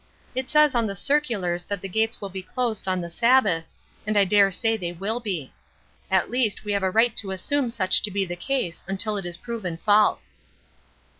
It says on the circulars that the gates will be closed on the Sabbath, and I dare say they will be. At least, we have a right to assume such to be the case until it is proven false."